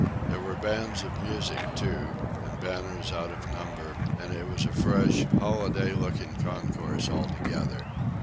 There were bands of music too, and banners out of number: and it was a fresh, holiday looking concourse altogether.